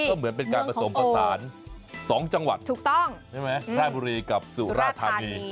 จะผสมผสานสองจังหวัดถูกต้องใช่ไหมท่าบุรีกับสุราธารณี